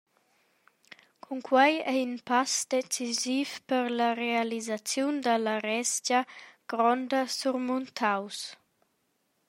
Cunquei ei in pass decisiv per la realisaziun dalla resgia gronda surmuntaus.